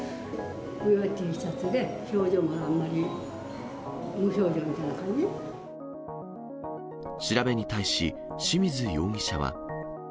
上はＴシャツで、表情もあんまり、調べに対し、清水容疑者は。